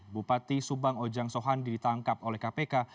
bupati subang ojang sohan diditangkap oleh kpk